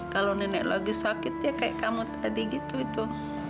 kalau nenek lagi sakit ya kayak kamu tadi gitu itu